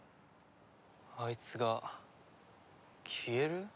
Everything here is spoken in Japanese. あいつが消える？